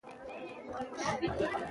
دښتې د افغانانو د تفریح وسیله ده.